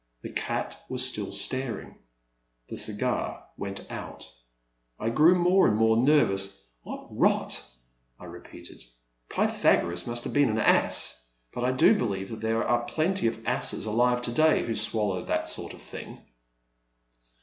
The cat was still staring ; the cigar went out. I grew more and more nervous. What rot !I re peated. " Pythagoras must have been an ass, but I do believe that there are plenty of asses alive to day who swallow that sort of thing."